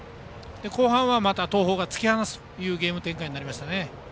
後半はまた東邦が突き放すゲーム展開になりましたね。